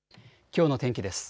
きょうの天気です。